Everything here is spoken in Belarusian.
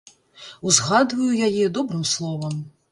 Узгадваю яе добрым словам.